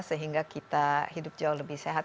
sehingga kita hidup jauh lebih sehat